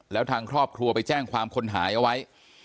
แล้วทางครอบครัวไปแจ้งความคนหายเอาไว้